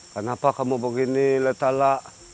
kenapa kamu begini letala